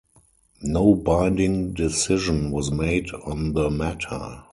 No binding decision was made on the matter.